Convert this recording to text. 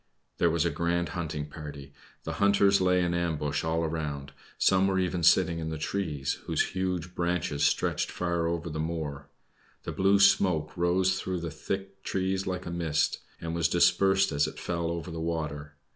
There was a grand hunting party. The hunters lay in ambush all around; some were even sitting in the trees, whose huge branches stretched far over the moor. The blue smoke rose through the thick trees like a mist, and was dispersed as it fell over the water.